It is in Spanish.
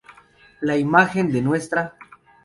La Imagen de Ntra.